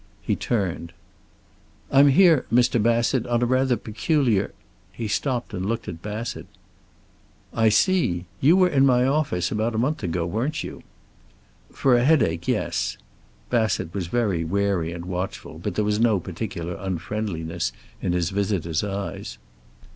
He turned. "I'm here, Mr. Bassett, on rather a peculiar " He stopped and looked at Bassett. "I see. You were in my office about a month ago, weren't you?" "For a headache, yes." Bassett was very wary and watchful, but there was no particular unfriendliness in his visitor's eyes.